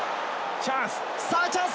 チャンス！